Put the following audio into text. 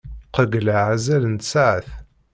Qeyyleɣ azal n tsaɛet.